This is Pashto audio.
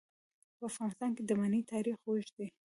په افغانستان کې د منی تاریخ اوږد دی.